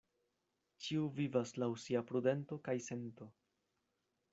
Ĉiu vivas laŭ sia prudento kaj sento.